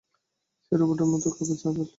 সে রোবটের মতো কাপে চা ঢালছে।